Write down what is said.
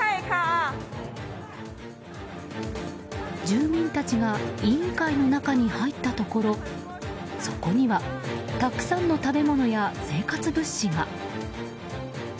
住民たちが委員会の中に入ったところそこには、たくさんの食べ物や生活物資が。